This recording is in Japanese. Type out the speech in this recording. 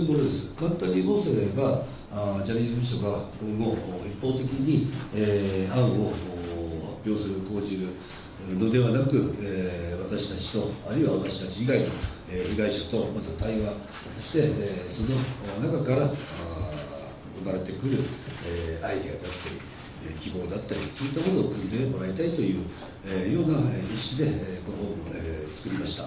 簡単に申せば、ジャニーズ事務所が今後、一方的に案を発表する、講じるのではなく、私たちと、あるいは私たち以外の被害者とまず対話、そしてその中から生まれてくるアイデアだったり、希望だったり、そういったものをくみ取ってもらいたいという認識でこれを作りました。